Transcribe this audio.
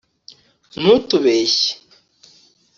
ntutubeshye